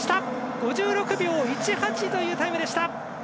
５６秒１８というタイム。